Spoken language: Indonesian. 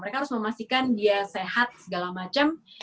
mereka harus memastikan dia sehat segala macam